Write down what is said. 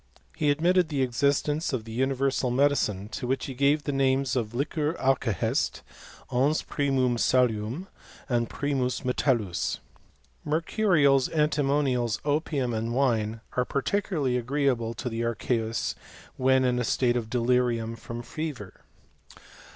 He admitted the existence of the universal medicine, to which he gave the names of liquor alkahest, ens primwin salium, primus metallus. Mercurials, antimonials, opium, and wine, are particularly agreeable to the archeusy when in a state of delirium from fever.